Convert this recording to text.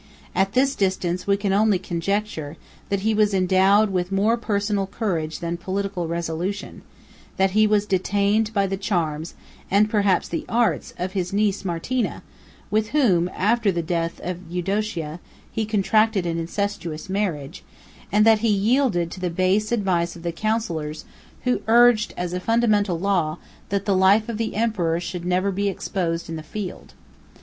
At this distance we can only conjecture, that he was endowed with more personal courage than political resolution; that he was detained by the charms, and perhaps the arts, of his niece Martina, with whom, after the death of Eudocia, he contracted an incestuous marriage; 73 and that he yielded to the base advice of the counsellors, who urged, as a fundamental law, that the life of the emperor should never be exposed in the field.